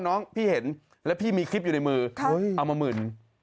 น้องพี่เห็นแล้วพี่มีคลิปอยู่ในมือเอามาหมื่น